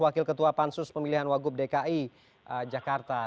wakil ketua pansus pemilihan wagub dki jakarta